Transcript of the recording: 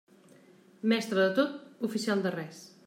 Mestre de tot, oficial de res.